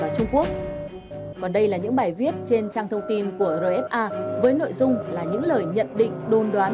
còn đây là những bài viết trên trang thông tin của rfa với nội dung là những lời nhận định đôn đoán